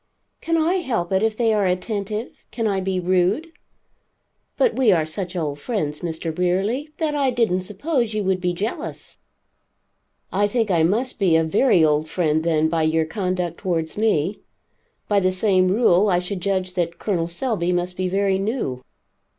"Can I help it if they are attentive, can I be rude? But we are such old friends, Mr. Brierly, that I didn't suppose you would be jealous." "I think I must be a very old friend, then, by your conduct towards me. By the same rule I should judge that Col. Selby must be very new."